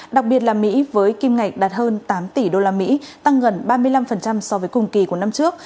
đặc biệt là mỹ với kim ngạch đạt hơn tám tỷ usd tăng gần ba mươi năm so với cùng kỳ của năm trước